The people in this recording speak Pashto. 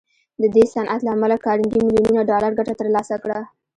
د دې صنعت له امله کارنګي ميليونونه ډالر ګټه تر لاسه کړه.